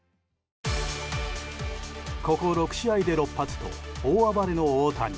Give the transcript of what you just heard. ここ６試合で６発と大暴れの大谷。